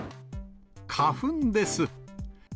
花粉です。